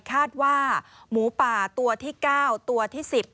คาดว่าหมูป่าตัวที่๙ตัวที่๑๐